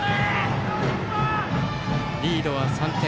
リードは３点。